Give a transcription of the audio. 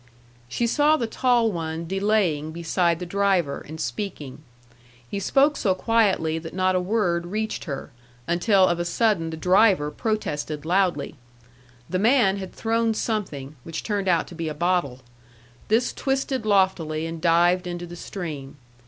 She saw the tall one delaying beside the driver, and speaking. He spoke so quietly that not a word reached her, until of a sudden the driver protested loudly. The man had thrown something, which turned out to be a bottle. This twisted loftily and dived into the stream.